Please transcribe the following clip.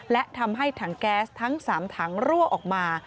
และทำให้ถังแก๊สทั้ง๓ถังรั่วออกมา